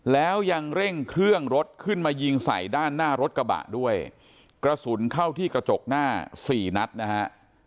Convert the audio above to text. แล้วยังเร่งเครื่องรถขึ้นมายิงใส่ด้านหน้ารถกระบะด้วยกระสุนเข้าที่กระจกหน้าสี่นัดนะฮะ